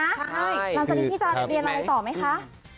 ใช่หลังจากนี้พี่จะเรียนอะไรต่อไหมคะ